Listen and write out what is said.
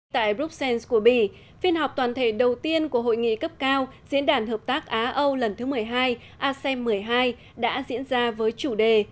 tại bruxelles của bỉ phiên họp toàn thể đầu tiên của hội nghị cấp cao diễn đàn hợp tác á âu lần thứ một mươi hai asem một mươi hai đã diễn ra với chủ đề